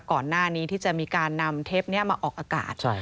ก่อนหน้านี้ที่จะมีการนำเทปนี้มาออกอากาศ